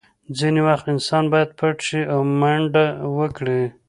ځینې وخت انسان باید پټ شي او منډه وکړي